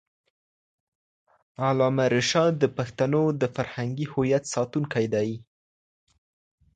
علامه رشاد د پښتنو د فرهنګي هویت ساتونکی دی.